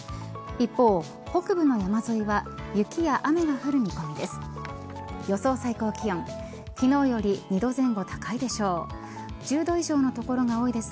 一方、北部の山沿いは雪や雨が降る見込みです。